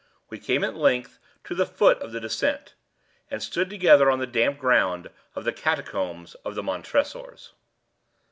We came at length to the foot of the descent, and stood together on the damp ground of the catacombs of the Montresors.